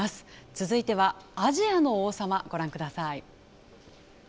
続いてはアジアの王様ご覧ください。